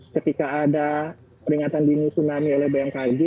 ketika ada peringatan dini tsunami oleh bmkg